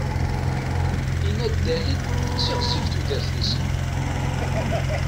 Inaddalen, tettiɣzif tudert-nsen.